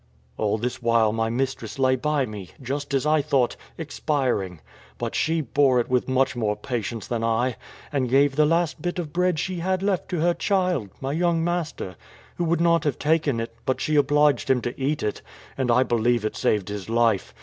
"All this while my mistress lay by me, just, as I thought, expiring, but she bore it with much more patience than I, and gave the last bit of bread she had left to her child, my young master, who would not have taken it, but she obliged him to eat it; and I believe it saved his life.